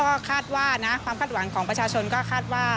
ก็คาดว่านะความคาดหวังของประชาชนก็คาดว่า